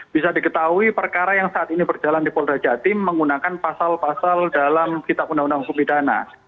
bisa diketahui perkara yang saat ini berjalan di polda jatim menggunakan pasal pasal dalam kitab undang undang hukum pidana